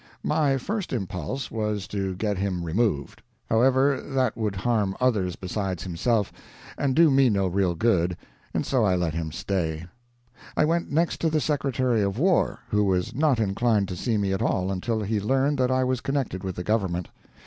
My first impulse was to get him removed. However, that would harm others besides himself, and do me no real good, and so I let him stay. I went next to the Secretary of War, who was not inclined to see me at all until he learned that I was connected with the government.